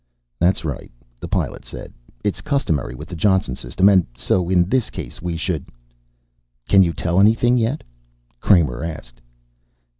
"That's right," the Pilot said. "It's customary with the Johnson system, and so in this case we should " "Can you tell anything yet?" Kramer asked.